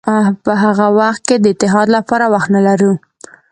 په هغه وخت کې د اتحاد لپاره وخت نه لرو.